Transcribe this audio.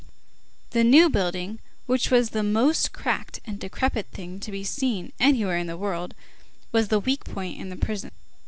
The New Building, which was the most cracked and decrepit thing to be seen anywhere in the world, was the weak point in the prison.